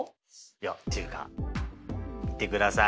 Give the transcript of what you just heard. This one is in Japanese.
いやっていうか見てください。